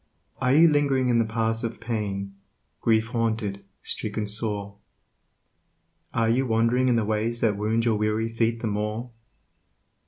Are you ling'ring in the paths of pain, grief haunted, stricken sore? Are you wand'ring in the ways that wound your weary feet the more?